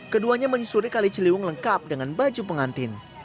keduanya menyusuri kaliciliwung lengkap dengan baju pengantin